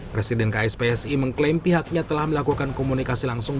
presiden kspsi mengklaim pihaknya telah melakukan komunikasi langsung